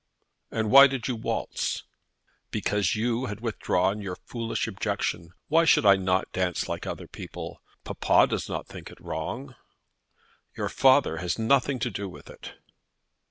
"And why did you waltz?" "Because you had withdrawn your foolish objection. Why should I not dance like other people? Papa does not think it wrong?" "Your father has nothing to do with it."